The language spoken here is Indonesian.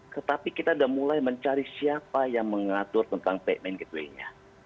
tetapi kita sudah mulai mencari siapa yang mengatur tentang payment gateway nya